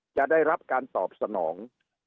จะได้รับการตอบสนอง